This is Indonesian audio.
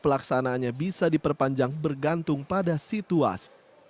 pelaksanaannya bisa diperpanjang bergantung pada situasi